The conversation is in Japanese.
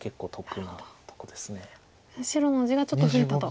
白の地がちょっと増えたと。